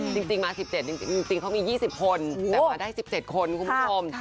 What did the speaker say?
จริงมา๑๗จริงเขามี๒๐คนแต่มาได้๑๗คนคุณผู้ชม